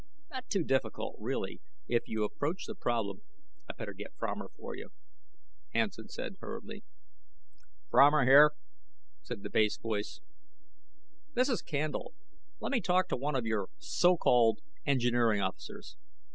Not too difficult really if you approach the problem " "I better get Fromer for you," Hansen said hurriedly. "Fromer here," said the bass voice. "This is Candle. Let me talk to one of your so called engineering officers."